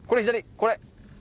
これ？